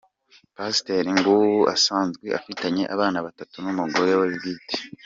Pasiteri Ngwu asanzwe afitanye abana batatu n’umugore we bwite.